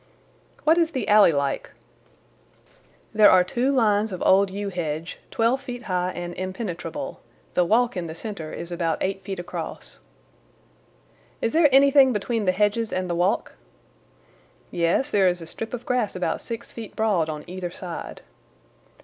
"What is the alley like?" "There are two lines of old yew hedge, twelve feet high and impenetrable. The walk in the centre is about eight feet across." "Is there anything between the hedges and the walk?" "Yes, there is a strip of grass about six feet broad on either side."